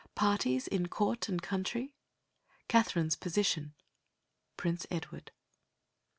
Parties in court and country Katherine's position Prince Edward.